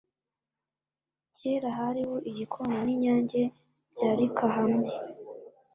kera hariho igikona n’inyange byarika hamwe,